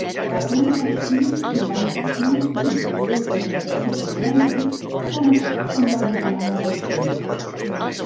Apunta el sis, noranta-cinc, vint-i-u, trenta-cinc, quaranta-vuit com a telèfon de l'Ariadna Balseiro.